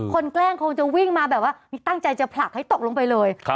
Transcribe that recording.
แกล้งคงจะวิ่งมาแบบว่าตั้งใจจะผลักให้ตกลงไปเลย